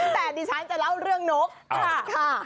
แต่ดิฉันจะเล่าเรื่องนกค่ะ